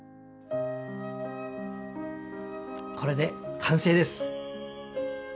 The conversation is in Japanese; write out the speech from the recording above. これで完成です。